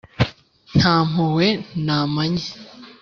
Ntampuhwe namanye